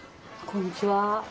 こんにちは。